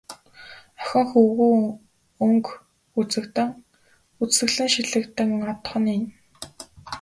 Охин хөвүүн өнгө үзэгдэн, үзэсгэлэн шилэгдэн одох нь энэ.